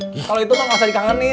kalo itu kan ga usah dikangenin